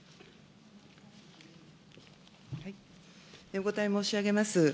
お答え申し上げます。